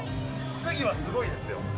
次はすごいですよ。